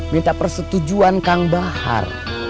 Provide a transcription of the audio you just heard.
minta persetujuan kang bahar